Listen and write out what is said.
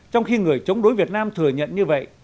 trong khi người chống đối việt nam thừa nhận như vậy